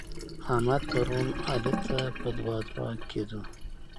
احمد؛ پرون علي ته په دوه دوه کېدو.